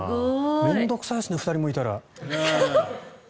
面倒臭いですね、２人もいたら。